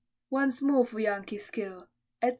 once more for Yankee skill, etc.